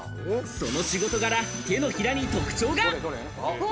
その仕事柄手のひらに特徴が。